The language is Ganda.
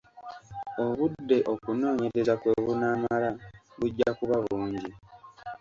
Obudde okunoonyereza kwe bunaamala bujja kuba bungi.